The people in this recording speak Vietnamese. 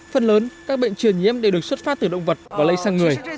phần lớn các bệnh truyền nhiễm đều được xuất phát từ động vật và lây sang người